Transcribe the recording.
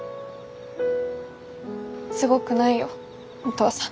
すごくないよお父さん。